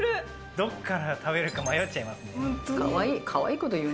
どっから食べるか迷っちゃいますね。